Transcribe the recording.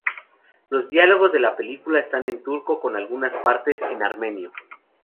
Los diálogos de la película están en turco, con algunas partes en armenio.